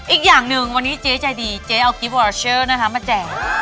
อีกอย่างหนึ่งวันนี้เจ๊ใจดีเจ๊เอากิฟต์วอรเชอร์นะคะมาแจก